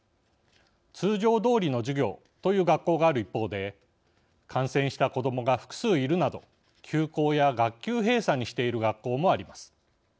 通常どおりの授業という学校がある一方で感染した子どもが複数いるなど休校や学級閉鎖にしている学校もあります。